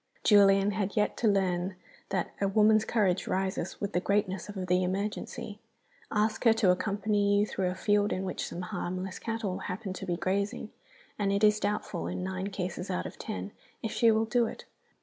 Julian had yet to learn that a woman's courage rises with the greatness of the emergency. Ask her to accompany you through a field in which some harmless cattle happen to be grazing, and it is doubtful, in nine cases out of ten, if she will do it.